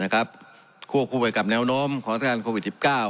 ควบคู่ไปกับแนวโน้มของสถานการณ์โควิด๑๙